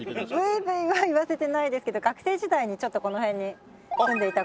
ブイブイは言わせてないですけど学生時代にちょっとこの辺に住んでいた事がありまして。